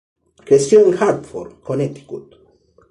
Creció en Hartford, Connecticut.